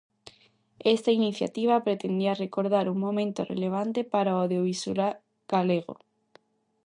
Esta iniciativa pretendía recordar un momento relevante para o audiovisual galego.